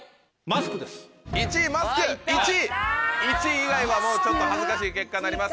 １位以外はもうちょっと恥ずかしい結果になります。